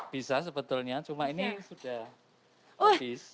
bisa sebetulnya cuma ini sudah habis